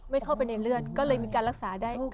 เข้าไปในเลือดก็เลยมีการรักษาได้